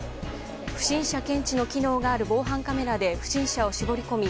不審者検知の機能がある防犯カメラで不審者を絞り込み